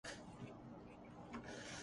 مگر لکھوائے کوئی اس کو خط تو ہم سے لکھوائے